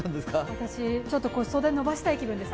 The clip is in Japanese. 私、ちょっと袖を伸ばしたい気分です。